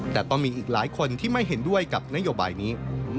แต่ต้องมีอีกหลายคนที่ไม่เห็นด้วยกับนโยบายนี้